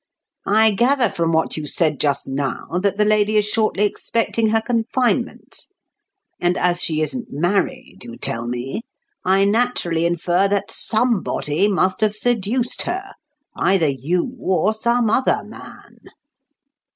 "I gather from what you said just now that the lady is shortly expecting her confinement; and as she isn't married, you tell me, I naturally infer that somebody must have seduced her—either you, or some other man."